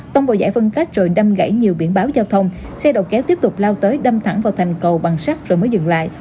tông vào giải phân cách rồi đâm gãy nhiều biển báo giao thông xe đầu kéo tiếp tục lao tới đâm thẳng vào thành cầu bằng sắt rồi mới dừng lại